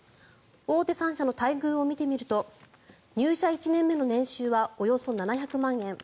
大手３社の待遇を見てみると入社１年目の年収はおよそ７００万円。